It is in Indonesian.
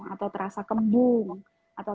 atau terasa kembung atau